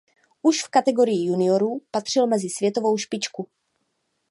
Už v kategorii juniorů patřil mezi světovou špičku.